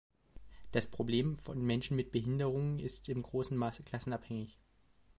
Das Problem von Menschen mit Behinderungen ist in großem Maße klassenabhängig.